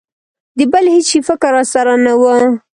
د بل هېڅ شي فکر را سره نه و.